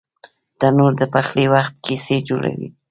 تنور د پخلي وخت کیسې جوړوي